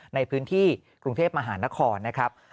ในพื้นที่กรุงเทพมหานครนะครับ